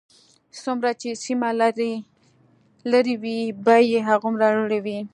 څومره چې سیمه لرې وي بیې هغومره لوړې وي